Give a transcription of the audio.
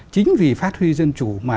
chính vì phát huy dân chủ mà